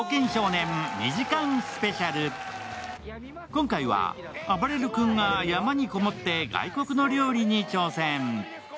今回は、あばれる君が山に籠もって外国の料理に挑戦。